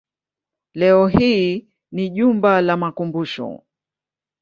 Leo hii ni jumba la makumbusho.